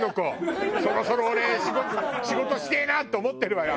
そろそろ俺仕事してえなって思ってるわよ